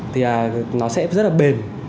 thì là nó sẽ rất là bền